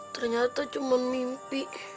ternyata cuma mimpi